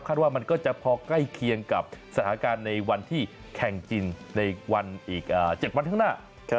ว่ามันก็จะพอใกล้เคียงกับสถานการณ์ในวันที่แข่งจริงในวันอีก๗วันข้างหน้า